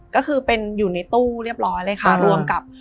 ก็คือเป็นอยู่ในตู้เรียบร้อยเลยค่ะรวมกับ